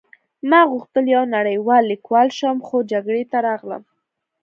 ما غوښتل یو نړۍوال لیکوال شم خو جګړې ته راغلم